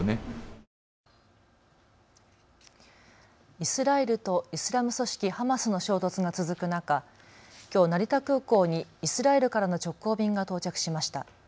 イスラエルとイスラム組織ハマスの衝突が続く中、きょう成田空港にイスラエルからの直行便が到着しました。